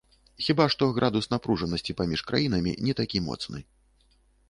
Хіба што градус напружанасці паміж краінамі не такі моцны.